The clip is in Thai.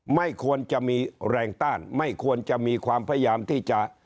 ไม่ควรจะมีแรงต้านไม่ควรจะมีความพยายามที่จะ